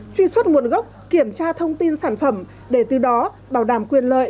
truy xuất nguồn gốc kiểm tra thông tin sản phẩm để từ đó bảo đảm quyền lợi